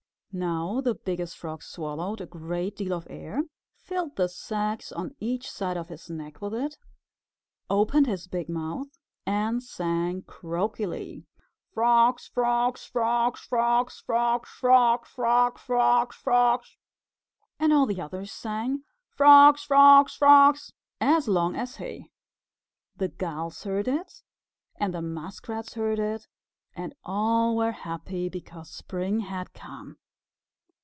Now the Biggest Frog swallowed a great deal of air, filled the sacs on each side of his neck with it, opened his big mouth, and sang croakily, "Frogs! Frogs! Frogs! Frogs! Frogs! Frogs! Frogs! Frogs!" And all the others sang, "Frogs! Frogs! Frogs!" as long as he. The Gulls heard it, and the Muskrats heard it, and all were happy because spring had come.